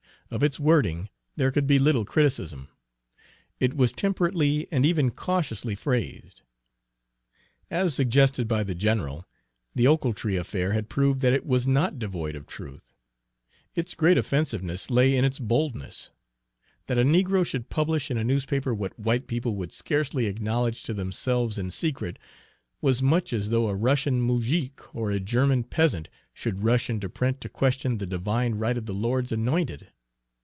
Of its wording there could be little criticism, it was temperately and even cautiously phrased. As suggested by the general, the Ochiltree affair had proved that it was not devoid of truth. Its great offensiveness lay in its boldness: that a negro should publish in a newspaper what white people would scarcely acknowledge to themselves in secret was much as though a Russian moujik or a German peasant should rush into print to question the divine right of the Lord's Anointed.